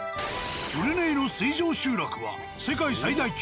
ブルネイの水上集落は世界最大級。